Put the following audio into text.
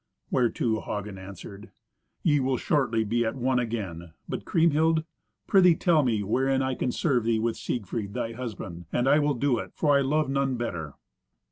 Whereto Hagen answered, "Ye will shortly be at one again. But Kriemhild, prithee tell me wherein I can serve thee with Siegfried, thy husband, and I will do it, for I love none better."